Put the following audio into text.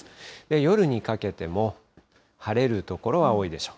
夜にかけても晴れる所は多いでしょう。